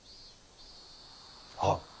はっ。